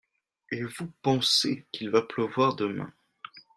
Et vous pensez qu'il va pleuvoir demain ?